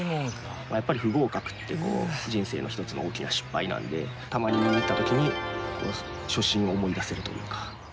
やっぱり不合格って人生の一つの大きな失敗なのでたまに見に行った時に初心を思い出せるというか。